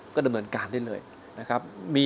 ก็ดำเนินการได้เลยนะครับ